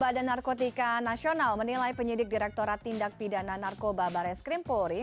badan narkotika nasional menilai penyidik direkturat tindak pidana narkoba bares krimpori